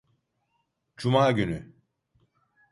Cuma günü